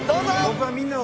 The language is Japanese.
僕はみんなを。